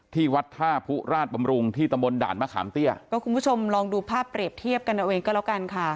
ที่วัดท่าผู้ราชบำรุงที่ตำบลด่านมะขามเตี้ยก็คุณผู้ชมลองดูภาพเปรียบเทียบกันเอาเองก็แล้วกันค่ะ